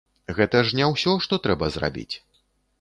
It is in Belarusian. Гэта ж не ўсё, што трэба зрабіць.